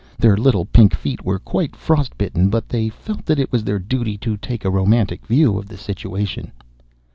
Their little pink feet were quite frost bitten, but they felt that it was their duty to take a romantic view of the situation.